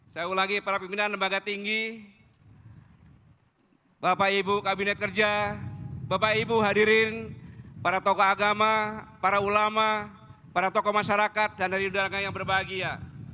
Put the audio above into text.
saya ulangi para pimpinan lembaga tinggi bapak ibu kabinet kerja bapak ibu hadirin para tokoh agama para ulama para tokoh masyarakat dan dari udara yang berbahagia